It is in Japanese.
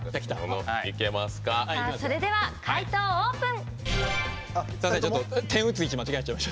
それでは解答オープン。